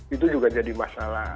itu juga jadi masalah